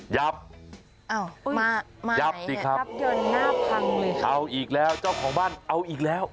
ยับยับสิครับเอาอีกแล้วเจ้าของบ้านเอาอีกแล้ว